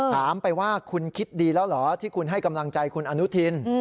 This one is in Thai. ถามไปว่าคุณคิดดีแล้วเหรอที่คุณให้กำลังใจคุณอนุทิน